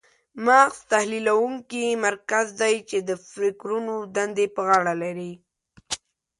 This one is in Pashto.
مغز تحلیلونکی مرکز دی چې د فکرونو دندې په غاړه لري.